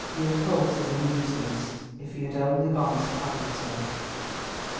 The occult is a nuisance." If he had only gone to Paddington!